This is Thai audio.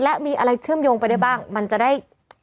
และมีอะไรเชื่อมโยงไปได้บ้างมันจะได้